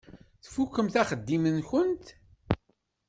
Tfukkemt axeddim-nkent?